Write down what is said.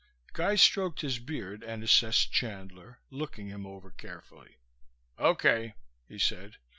Guy stroked his beard and assessed Chandler, looking him over carefully. "Okay," he said.